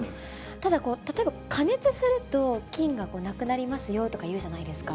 ただ、例えば加熱すると菌がなくなりますよとかいうじゃないですか。